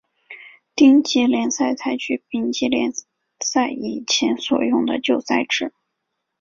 丁级联赛采取丙级联赛以前所用的旧赛制。